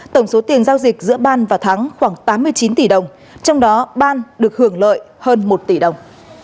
tổng số tiền giao dịch giữa ban và thắng khoảng tám mươi chín tỷ đồng trong đó ban được hưởng lợi hơn một tỷ đồng